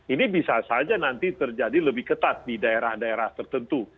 ini bisa saja nanti terjadi lebih ketat di daerah daerah tertentu